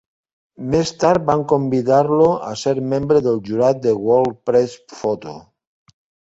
Més tard van convidar-lo a ser membre del jurat de World Press Photo.